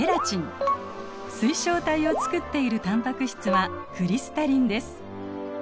水晶体をつくっているタンパク質はクリスタリンです。